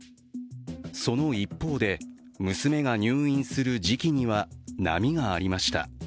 その一方で、娘が入院する時期には波がありました。